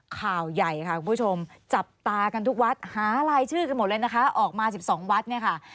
ข่าวใหญ่ค่ะคุณผู้ชมจับตากันทุกวัดหารายชื่อกันหมดเลยนะคะออกมา๑๒วัดเนี่ยค่ะ